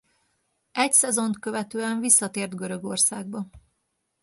Egy szezont követően visszatért Görögországba.